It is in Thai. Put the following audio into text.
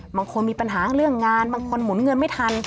มีปัญหาเรื่องงานบางคนหมุนเงินไม่ทัน